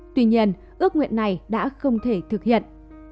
tuy nhiên ước nguyện này đã không thể thực hiện